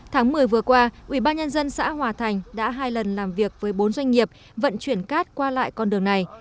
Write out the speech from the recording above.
tháng một mươi vừa qua ủy ban nhân dân xã hòa thành đã hai lần làm việc với bốn doanh nghiệp vận chuyển cắt qua lại con đường này